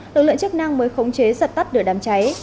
lực lượng chức năng mới khống chế giật tắt đửa đám cháy